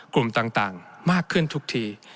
กลุ่มต่างมากขึ้นทุกที